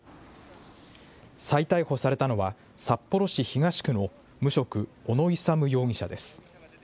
再逮捕されたのは、札幌市東区の無職、小野勇容疑者です。